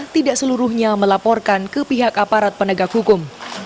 tidak seluruhnya melaporkan ke pihak aparat penegak hukum